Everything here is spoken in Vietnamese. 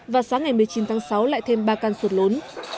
và sáng ngày một mươi chín tháng sáu lại thêm ba căn sụp lùn